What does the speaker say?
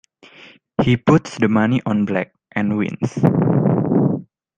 He puts the money on black, and wins.